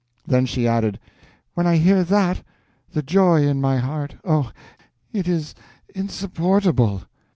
Then she added, "When I hear that, the joy in my heart, oh, it is insupportable!"